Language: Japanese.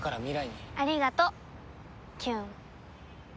ありがとうキューン。